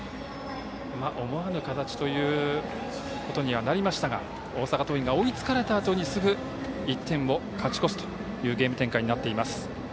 思わぬ形ということにはなりましたが大阪桐蔭が追いつかれたあとにすぐ１点を勝ち越すというゲーム展開になっています。